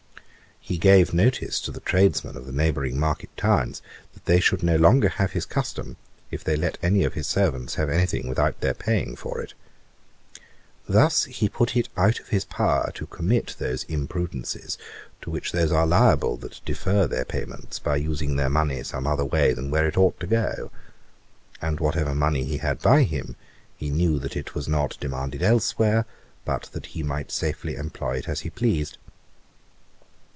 He gave notice to the tradesmen of the neighbouring market towns that they should no longer have his custom, if they let any of his servants have anything without their paying for it. Thus he put it out of his power to commit those imprudences to which those are liable that defer their payments by using their money some other way than where it ought to go. And whatever money he had by him, he knew that it was not demanded elsewhere, but that he might safely employ it as he pleased.